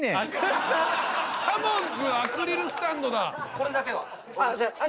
これだけは。